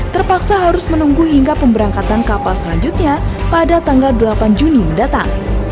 terpaksa harus menunggu hingga pemberangkatan kapal selanjutnya pada tanggal delapan juni mendatang